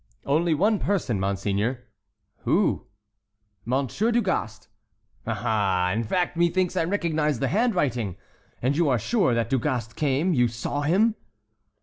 "Only one person, monseigneur." "Who?" "Monsieur du Gast." "Aha! In fact, methinks I recognize the handwriting. And you are sure that Du Gast came? You saw him?"